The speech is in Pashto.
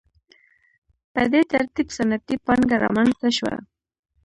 په دې ترتیب صنعتي پانګه رامنځته شوه.